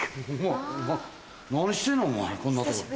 何してんのお前こんなとこで。